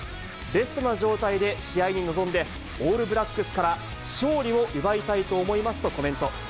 ベストな状態で試合に臨んで、オールブラックスから勝利を奪いたいと思いますとコメント。